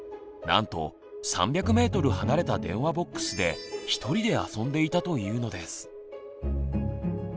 なんと３００メートル離れた電話ボックスでひとりで遊んでいたというのです。